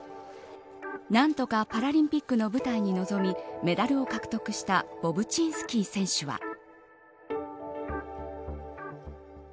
何とかパラリンピックの舞台に臨みメダルを獲得したボブチンスキー選手は。